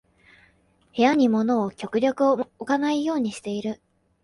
部屋に物を極力置かないようにしてる